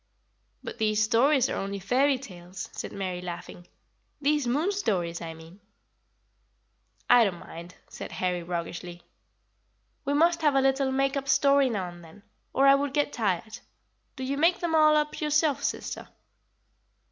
"But these stories are only fairy tales," said Mary, laughing; "these moon stories, I mean." "I don't mind," said Harry roguishly; "we must have a little make up story now and then, or I would get tired. Do you make them all up yourself, sister?"